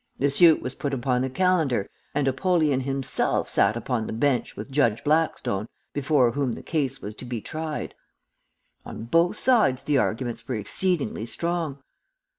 The suit was put upon the calendar, and Apollyon himself sat upon the bench with Judge Blackstone, before whom the case was to be tried. "On both sides the arguments were exceedingly strong.